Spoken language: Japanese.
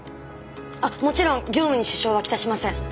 あっもちろん業務に支障は来しません。